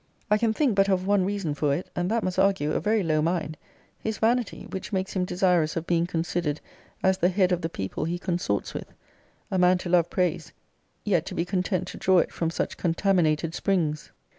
I can think but of one reason for it, and that must argue a very low mind, his vanity; which makes him desirous of being considered as the head of the people he consorts with. A man to love praise, yet to be content to draw it from such contaminated springs!